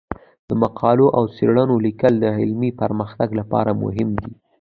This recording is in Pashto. د مقالو او څیړنو لیکل د علمي پرمختګ لپاره مهم دي.